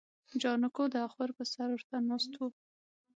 جانکو د اخور پر سر ورته ناست و.